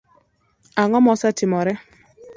Ang'o mosetimore?